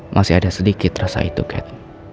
masih ada sedikit rasa itu kan